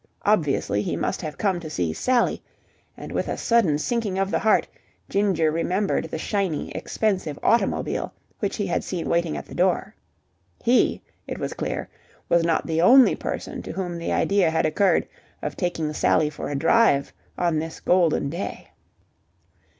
Obviously, he must have come to see Sally; and with a sudden sinking of the heart Ginger remembered the shiny, expensive automobile which he had seen waiting at the door. He, it was clear, was not the only person to whom the idea had occurred of taking Sally for a drive on this golden day.